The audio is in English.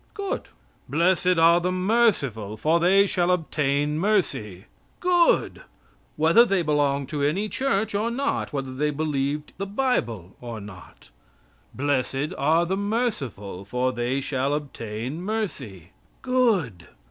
Good! "Blessed are the merciful, for they shall obtain mercy." Good! Whether they belonged to any church or not; whether they believed the Bible or not. "Blessed are the merciful, for they shall obtain mercy." Good!